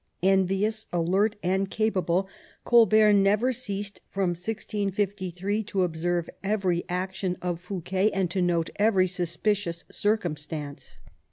Envious, alert, and capable, Colbert never ceased from 1653 to observe every action of Fouquet, and to note every suspicious circumstance.